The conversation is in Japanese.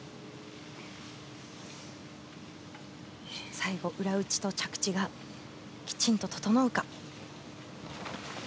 最後、裏打ちと着地がきちんと整うか。